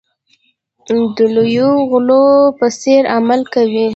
د لویو غلو په څېر عمل کوي.